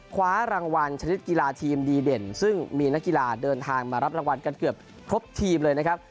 คว้ารางวัลชนิดกีฬาทีมดีเด่นซึ่งมีนักกีฬาเดินทางมารับรางวัลกันเกือบครบทีมเลยนะครับ